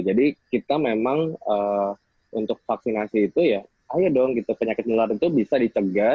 jadi kita memang untuk vaksinasi itu ya ayo dong gitu penyakit mular itu bisa dicegah